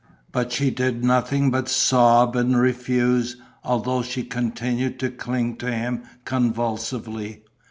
But she did nothing but sob and refuse, although she continued to cling to him convulsively.